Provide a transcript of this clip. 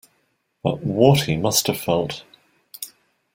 But what he must have felt!